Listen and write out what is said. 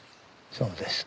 そうです。